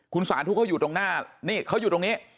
คุณสาธุเขาอยู่ตรงหน้านี่เขาอยู่ตรงนี้